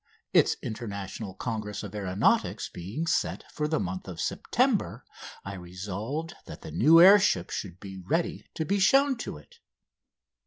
Its International Congress of Aeronautics being set for the month of September I resolved that the new air ship should be ready to be shown to it.